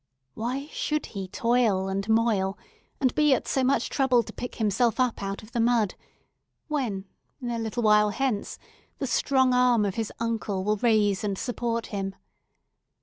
Why should he toil and moil, and be at so much trouble to pick himself up out of the mud, when, in a little while hence, the strong arm of his Uncle will raise and support him?